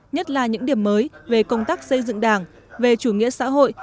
nhất là những điểm mới về công tác xây dựng đảng về chủ nghĩa xã hội